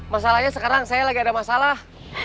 masalahnya sekarang saya lagi ada masalah